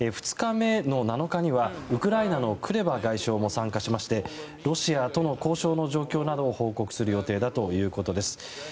２日目の７日はウクライナのクレバ外相も参加しましてロシアとの交渉の状況などを報告する予定だということです。